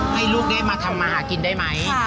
ให้ลูกได้มาทำมาหากินได้ไหม